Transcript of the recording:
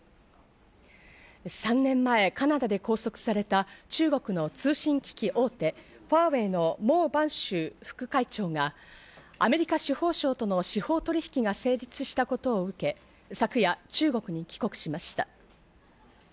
３年前、カナダで拘束された中国の通信機器大手ファーウェイのモウ・バンシュウ副会長がアメリカ司法省との司法取引が成立したことを受け、昨夜、中国に帰国しました。